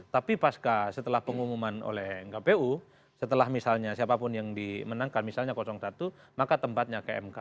tapi pas setelah pengumuman oleh kpu setelah misalnya siapapun yang dimenangkan misalnya satu maka tempatnya ke mk